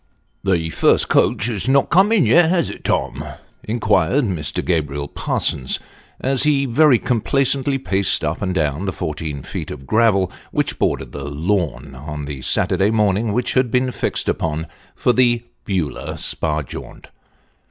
THE first coach has not come in yet, has it, Tom ?" inquired Mr. Gabriel Parsons, as he very complacently paced up and down tho fourteen feet of gravel which bordered the " lawn," on the Saturday morning which had been fixed upon for the Beulah Spa jaunt.